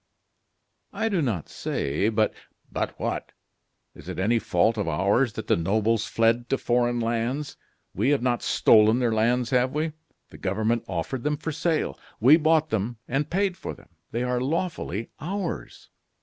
"I do not say but " "But what? Is it any fault of ours that the nobles fled to foreign lands? We have not stolen their lands, have we? The government offered them for sale; we bought them, and paid for them; they are lawfully ours."